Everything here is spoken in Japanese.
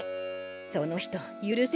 その人許せない。